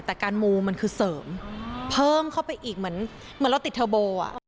แต่การมูมันคือเสริมเพิ่มเข้าไปอีกเหมือนเราติดเทอร์โบอ่ะ